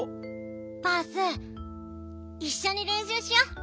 バースいっしょにれんしゅうしよう。